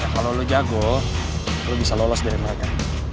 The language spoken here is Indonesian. kalau lo jago lo bisa lolos dari mereka